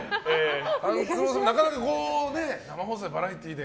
勘九郎さん、なかなか生放送のバラエティーで。